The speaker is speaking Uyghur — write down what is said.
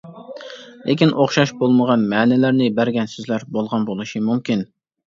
لېكىن ئوخشاش بولمىغان مەنىلەرنى بەرگەن سۆزلەر بولغان بولۇشى مۇمكىن.